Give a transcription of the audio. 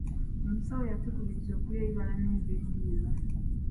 Omusawo yatukubiriza okulya ebibala n'enva endiirwa.